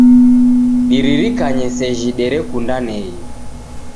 Diririkanye sejhi derekundaneghe